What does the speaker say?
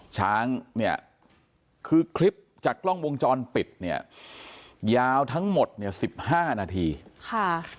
ช้างเนี่ยคือคลิปจากกล้องวงจรปิดเนี่ยยาวทั้งหมดเนี่ยสิบห้านาทีค่ะ